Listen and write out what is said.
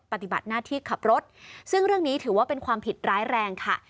ปฏิบัติหน้าที่ขับรถซึ่งเรื่องนี้ถือว่าเป็นความผิดร้ายแรงค่ะ